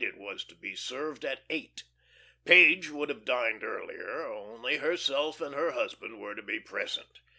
It was to be served at eight. Page would have dined earlier; only herself and her husband were to be present.